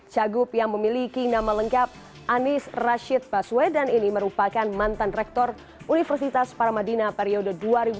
cagup yang memiliki nama lengkap anies rashid baswedan ini merupakan mantan rektor universitas paramadina periode dua ribu dua puluh